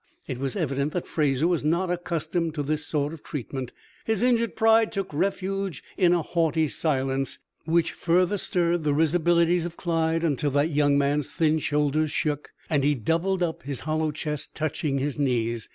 he!" It was evident that Fraser was not accustomed to this sort of treatment; his injured pride took refuge in a haughty silence, which further stirred the risibilities of Clyde until that young man's thin shoulders shook, and he doubled up, his hollow chest touching his knees.